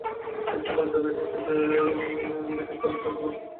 তিনি governor general হিসাবে British Bharat শাসন করেন।